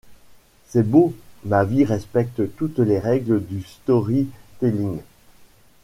C’est beau : ma vie respecte toutes les règles du storytelling…